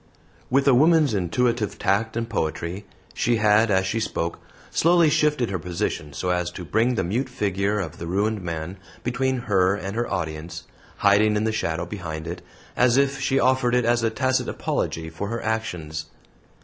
With a woman's intuitive tact and poetry, she had, as she spoke, slowly shifted her position so as to bring the mute figure of the ruined man between her and her audience, hiding in the shadow behind it, as if she offered it as a tacit apology for her actions.